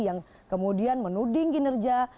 yang kemudian menuding kinerja